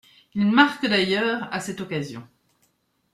Il marque d'ailleurs à cette occasion.